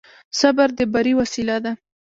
صبر د بري وسيله ده.